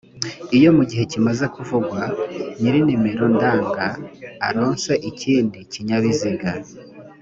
iyo mu gihe kimaze kuvugwa ny’iri nimero ndanga aronse ikindi kinyabiziga